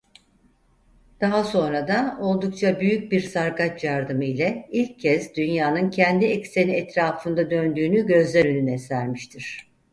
Daha sonra da oldukça büyük bir sarkaç yardımı ile ilk kez dünyanın kendi ekseni etrafında döndüğünü gözler önüne sermiştir.